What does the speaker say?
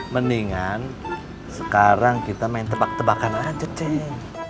mendingan sekarang kita main tebak tebakan aja kayaknya